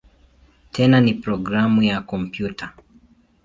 Tena ni programu ya kompyuta.